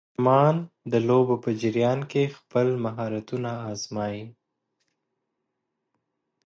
ماشومان د لوبو په جریان کې خپل مهارتونه ازمويي.